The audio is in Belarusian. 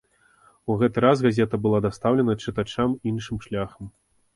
У гэты раз газета была дастаўлена чытачам іншым шляхам.